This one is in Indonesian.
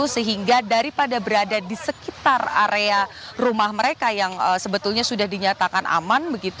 sehingga daripada berada di sekitar area rumah mereka yang sebetulnya sudah dinyatakan aman